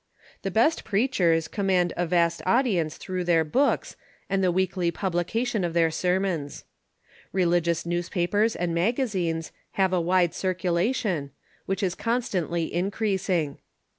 The best preachers command a vast audience through their books and the weekly publication of their sermons. Religious newspapers and magazines have a wide circulation, which is constantly increasing.